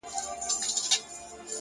هره تېروتنه د پرمختګ امکان لري.